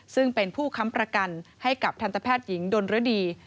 ซึ่งเป็นผู้ค้ำประกันให้กับทันตแพทย์หญิงดนรดี